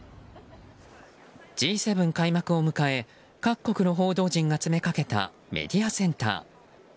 Ｇ７開幕を迎え各国の報道陣が詰めかけたメディアセンター。